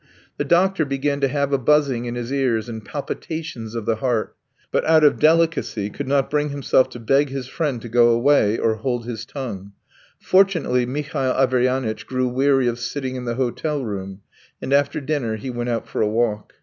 The doctor began to have a buzzing in his ears and palpitations of the heart, but out of delicacy could not bring himself to beg his friend to go away or hold his tongue. Fortunately Mihail Averyanitch grew weary of sitting in the hotel room, and after dinner he went out for a walk.